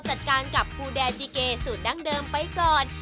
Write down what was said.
จัดการกับภูแดจีเกสูตรดั้งเดิมไปก่อน